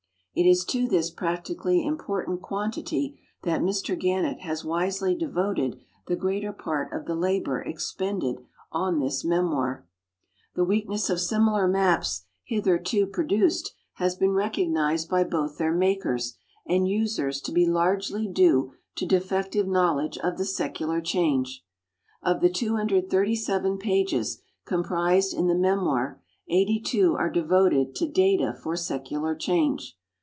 It is to this }>ractically important (juantity tluit Mr Oannett has wisely devoted the greater part of the labor expended on this memoir. The weakness of similar maps hitherto produced has been recognized l>y both their makers and users to be largely due to defective knowledge of the secular change. Of the 237 pages comprised in the memoir 82 are devoted to data for secular change.